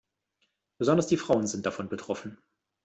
Besonders die Frauen sind davon betroffen.